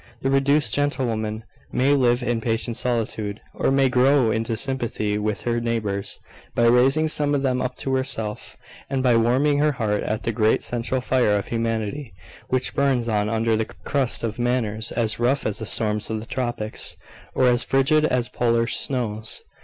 The reduced gentlewoman may live in patient solitude, or may grow into sympathy with her neighbours, by raising some of them up to herself, and by warming her heart at the great central fire of Humanity, which burns on under the crust of manners as rough as the storms of the tropics, or as frigid as polar snows.